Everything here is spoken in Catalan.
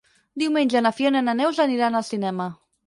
Diumenge na Fiona i na Neus aniran al cinema.